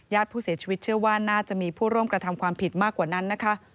ผู้เสียชีวิตเชื่อว่าน่าจะมีผู้ร่วมกระทำความผิดมากกว่านั้นนะคะ